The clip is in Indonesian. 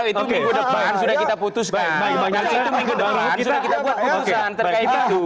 kita buat keputusan terkait itu